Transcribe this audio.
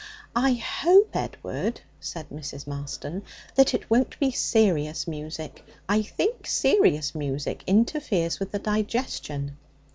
'I hope, Edward,' said Mrs. Marston, 'that it won't be serious music. I think serious music interferes with the digestion.